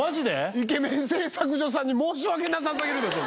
イケメン製作所さんに申し訳なさすぎるでしょ。